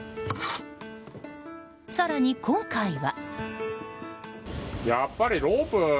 更に、今回は。